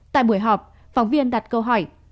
tại buổi họp phóng viên đặt câu hỏi